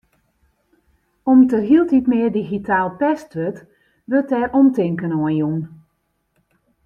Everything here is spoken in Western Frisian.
Om't der hieltyd mear digitaal pest wurdt, wurdt dêr omtinken oan jûn.